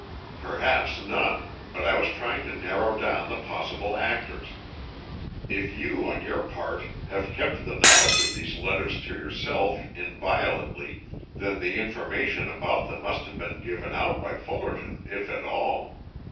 "Perhaps none. But I was trying to narrow down the possible actors. If you on your part have kept the knowledge of these letters to yourself inviolately, then the information about them must have been given out by Fullerton if at all.